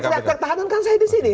ya ketika tahanan kan saya disini